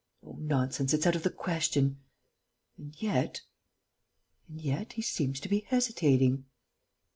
Oh, nonsense it's out of the question!... And yet ... and yet ... he seems to be hesitating."